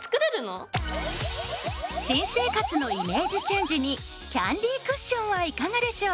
新生活のイメージチェンジにキャンディークッションはいかがでしょう？